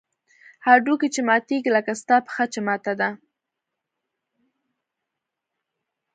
هډوکى چې ماتېږي لکه ستا پښه چې ماته ده.